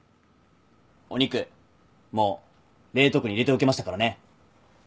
お肉もう冷凍庫に入れておきましたからね。